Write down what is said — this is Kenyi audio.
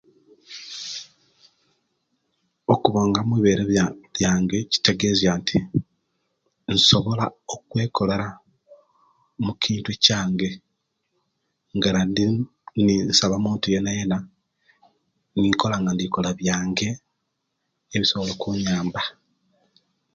Okubonga mwibere lwange kitegezia nti nsobola okwekola mukintu ekyange nga ndi saba ommuntu yena yena ninkola nga ndikola byange ebisobola okunyamba